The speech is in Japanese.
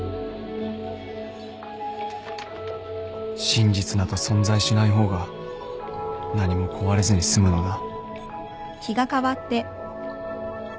真実など存在しない方が何も壊れずに済むのだ